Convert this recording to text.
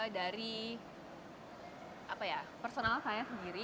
dari personal saya sendiri